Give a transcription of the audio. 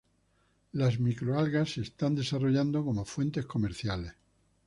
Las microalgas se están desarrollando como fuentes comerciales.